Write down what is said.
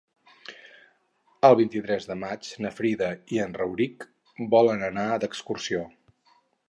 El vint-i-tres de maig na Frida i en Rauric volen anar d'excursió.